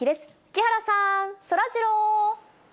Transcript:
木原さん、そらジロー。